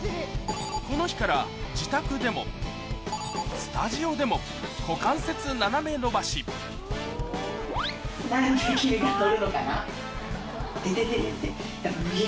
この日から自宅でもスタジオでも股関節斜め伸ばしちょっと。